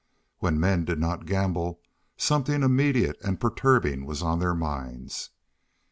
When the men did not gamble something immediate and perturbing was on their minds.